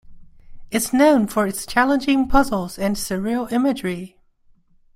It's known for its challenging puzzles and surreal imagery.